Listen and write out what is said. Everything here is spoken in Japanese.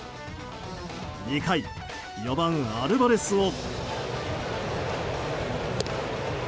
２回、４番、アルバレスを。